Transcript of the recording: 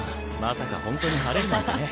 まさか本当に晴れるなんてね。